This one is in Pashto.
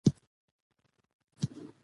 په افغانستان کې ځمکه شتون لري.